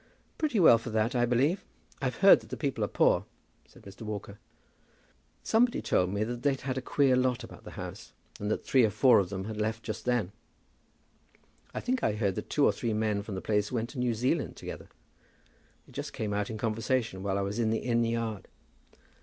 "Pretty well for that, I believe. I've heard that the people are poor," said Mr. Walker. "Somebody told me that they'd had a queer lot about the house, and that three or four of them left just then. I think I heard that two or three men from the place went to New Zealand together. It just came out in conversation while I was in the inn yard."